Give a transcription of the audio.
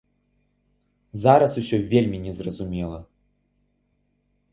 Зараз усё вельмі незразумела.